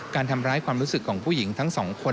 การทำร้ายความรู้สึกของผู้หญิงทั้งสองคน